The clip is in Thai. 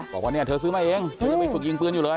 บอกว่าเนี่ยเธอซื้อมาเองเธอยังไปฝึกยิงปืนอยู่เลย